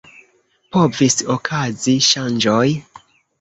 Povis okazi ŝanĝoj.